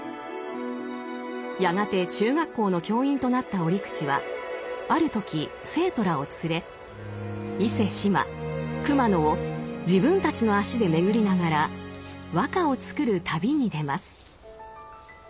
やがて中学校の教員となった折口はある時生徒らを連れ伊勢志摩熊野を自分たちの足で巡りながら和歌を作る旅に出ます。